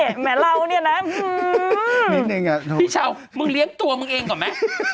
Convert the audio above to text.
นี่แม้เราเนี่ยนะอื้อพี่เช้ามึงเลี้ยงตัวมึงเองก่อนแม่